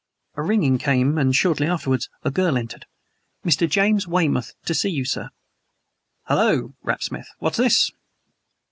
A ringing came, and shortly afterwards a girl entered. "Mr. James Weymouth to see you, sir." "Hullo!" rapped Smith. "What's this?"